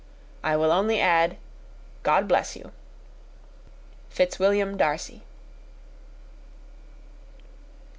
I will only add, God bless you. "FITZWILLIAM DARCY."